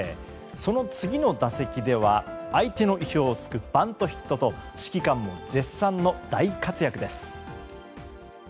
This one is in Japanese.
その次の打席では相手の意表を突くバントヒットと指揮官も絶賛の大活躍です。